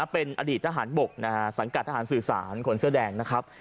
เป็นอดีตทหารบกนะฮะสังกัดทหารสื่อสารคนเสื้อแดงนะครับ